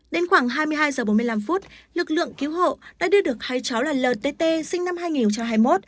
đến khoảng hai mươi hai h bốn mươi năm lực lượng cứu hộ đã đưa được hai cháu là lt sinh năm hai nghìn hai mươi một